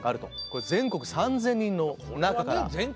これ全国３，０００人の中から。